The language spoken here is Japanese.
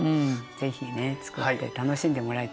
是非ねつくって楽しんでもらいたいね。